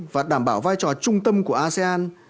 và đảm bảo vai trò trung tâm của asean